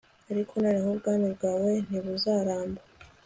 ariko noneho, ubwami bwawe ntibuzaramba